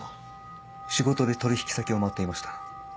仕事で取引先を回っていました。